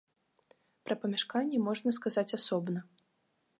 Пра памяшканне можна сказаць асобна.